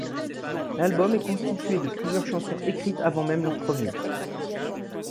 L'album est constitué de plusieurs chansons écrites avant même leur premier.